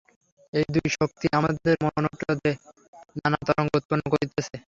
এই দুই শক্তি আমাদের মনোহ্রদে নানা তরঙ্গ উৎপন্ন করিতেছে।